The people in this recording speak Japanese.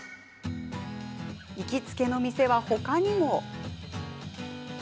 行きつけの店は他にも。